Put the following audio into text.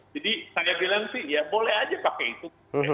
jadi saya bilang sih ya boleh saja pakai itu